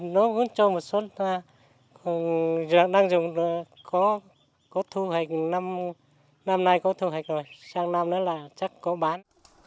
nó uống cho một suốt đang dùng có thu hạch năm nay có thu hạch rồi sang năm nữa là chắc có bán